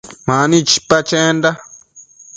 Mani chipa chenda